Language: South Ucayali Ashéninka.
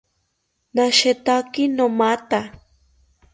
Nashetaki nomatha